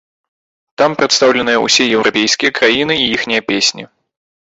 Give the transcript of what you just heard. Там прадстаўленыя ўсе еўрапейскія краіны і іхнія песні.